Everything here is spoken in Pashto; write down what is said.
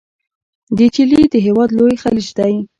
د چیلي د هیواد لوی خلیج دی.